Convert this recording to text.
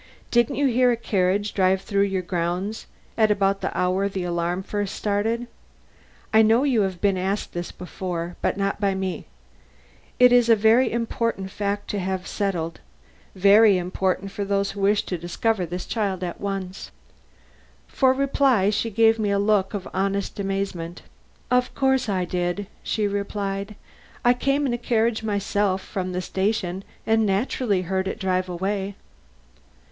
Didn't you hear a carriage drive through your grounds at about the hour the alarm was first started? I know you have been asked this before, but not by me; and it is a very important fact to have settled; very important for those who wish to discover this child at once." For reply she gave me a look of very honest amazement. "Of course I did," she replied. "I came in a carriage myself from the station and naturally heard it drive away."